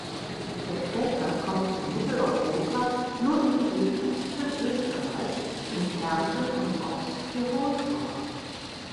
Der Käfer kommt in Mitteleuropa nur im Südosten Österreichs, in Kärnten und Osttirol vor.